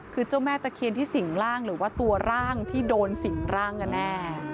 คือเจ้าแม่ตะเคียนที่สิ่งร่างหรือว่าตัวร่างที่โดนสิ่งร่างกันแน่